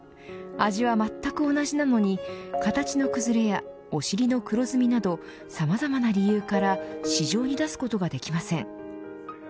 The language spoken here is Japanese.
味はまったく同じなのに形の崩れやお尻の黒ずみなどさまざまな理由から市場に出すことができません。